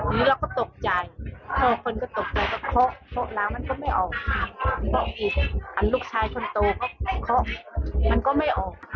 มันก็เข้าไปทางลูกอ้าวไง